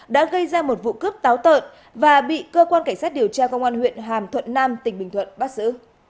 đã gây ra một vụ cướp táo tợn và bị cơ quan cảnh sát điều tra công an huyện hàm thuận nam tỉnh bình thuận bắt giữ